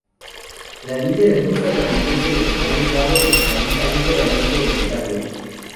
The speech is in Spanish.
La línea de costa canadiense de los Grandes Lagos se localiza íntegramente en Ontario.